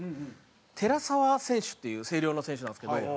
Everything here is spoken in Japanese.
寺沢選手っていう星稜の選手なんですけど。